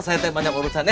saya teh banyak urusan ya